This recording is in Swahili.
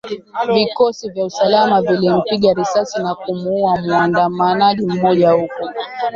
Vikosi vya usalama vilimpiga risasi na kumuuwa muandamanaji mmoja huko